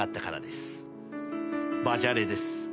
バジャレです。